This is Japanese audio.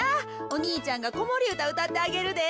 お兄ちゃんがこもりうたうたってあげるで。